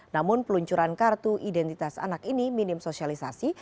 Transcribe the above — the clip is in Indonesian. namun peluncuran kartu identitas anak ini minim sosialisasi